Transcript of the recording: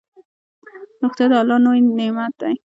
روغتيا دالله لوي نعمت ده